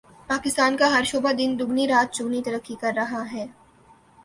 پاکستان کا ہر شعبہ دن دگنی رات چگنی ترقی کر رہا ہے